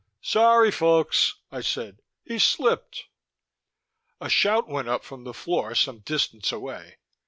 "Sorry, folks," I said. "He slipped." A shout went up from the floor some distance away.